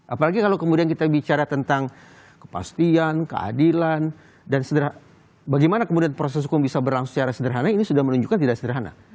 apalagi kalau kemudian kita bicara tentang kepastian keadilan dan bagaimana kemudian proses hukum bisa berlangsung secara sederhana ini sudah menunjukkan tidak sederhana